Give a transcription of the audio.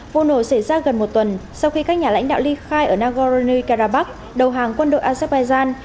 vụ nổ xảy ra gần một tuần sau khi các nhà lãnh đạo ly khai ở nagorno karabakh đầu hàng quân đội azerbaijan